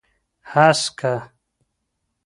هسکه